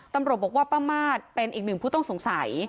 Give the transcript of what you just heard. ตำรวจบอกว่าป้ามาสเป็นอีกหนึ่งผู้ต้องสงสัย